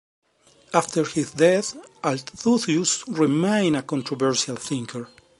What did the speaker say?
After his death, Althusius remained a controversial thinker.